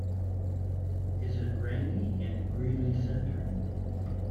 Is it rainy in Greely Center?